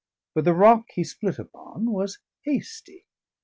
But the rock he split upon was Hastie.